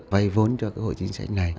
vay vốn cho hội chính sách này